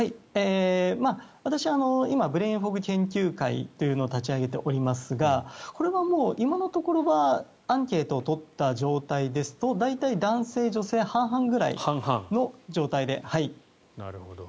私、今ブレインフォグ研究会というのを立ち上げておりますがこれは今のところはアンケートを取った状態ですと大体、男性、女性半々ぐらいの状態です。